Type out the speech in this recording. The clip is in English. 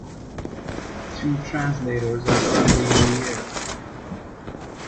Two translators are currently on the air.